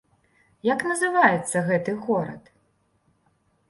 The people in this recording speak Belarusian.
Як называецца гэты горад?